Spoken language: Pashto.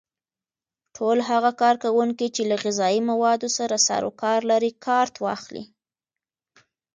ټول هغه کارکوونکي چې له غذایي موادو سره سرو کار لري کارت واخلي.